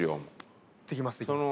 できますできます。